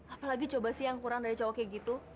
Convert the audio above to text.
apalagi coba sih yang kurang dari cowoknya gitu